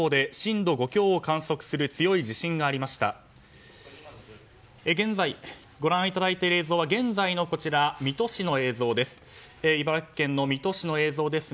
ご覧いただいている映像は現在の茨城県水戸市の映像です。